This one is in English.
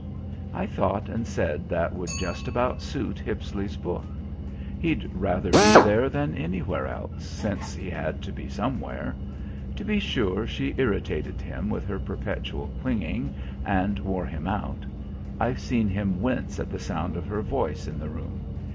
I thought and said that would just about suit Hippisley's book. He'd rather be there than anywhere else, since he had to be somewhere. To be sure she irritated him with her perpetual clinging, and wore him out. I've seen him wince at the sound of her voice in the room.